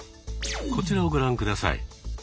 こちらをご覧ください。